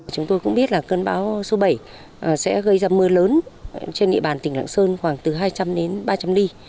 chúng tôi cũng biết là cơn bão số bảy sẽ gây ra mưa lớn trên địa bàn tỉnh lạng sơn khoảng từ hai trăm linh đến ba trăm linh mm